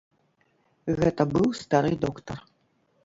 Гэта быў стары доктар.